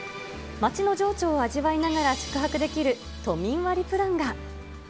街の情緒を味わいながら宿泊できる都民割プランが。